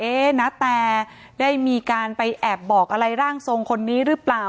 ณแตได้มีการไปแอบบอกอะไรร่างทรงคนนี้หรือเปล่า